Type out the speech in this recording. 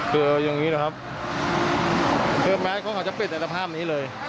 คืออย่างนี้เลยครับคือแมทเขาจะปิดแต่ภาพนี้เลย